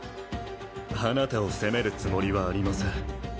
あなたを責めるつもりはありません